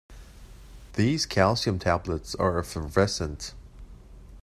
These calcium tablets are effervescent.